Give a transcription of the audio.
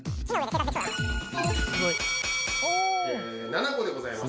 ７個でございます。